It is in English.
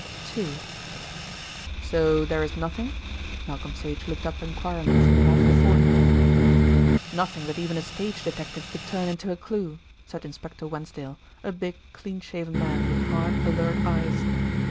II "So there is nothing?" Malcolm Sage looked up enquiringly from the map before him. "Nothing that even a stage detective could turn into a clue," said Inspector Wensdale, a big, cleanshaven man with hard, alert eyes.